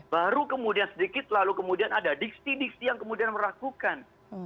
baru kemudian sedikit lalu kemudian ada diksi diksi yang kemudian meragukan